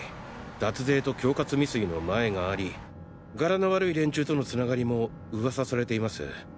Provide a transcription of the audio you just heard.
脱税と恐喝未遂の前がありガラの悪い連中とのつながりも噂されています。